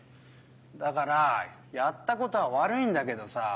だからやったことは悪いんだけどさ